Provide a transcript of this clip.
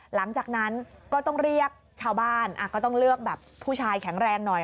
หลังจากนั้นก็ต้องเรียกชาวบ้านก็ต้องเลือกแบบผู้ชายแข็งแรงหน่อย